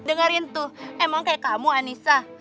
dengerin tuh emang kayak kamu anissa